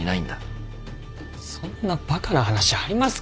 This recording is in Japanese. そんなバカな話ありますかね。